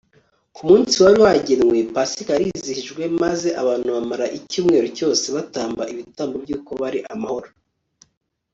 ku munsi wari wagenwe pasika yarizihijwe, maze abantu bamara icyumweru cyose batamba ibitambo by'uko bari amahoro